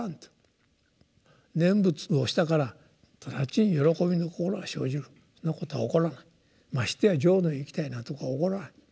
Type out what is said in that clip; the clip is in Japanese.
念仏をしたから直ちに喜びの心が生じるそんなことは起こらないましてや浄土に行きたいなんていうことは起こらない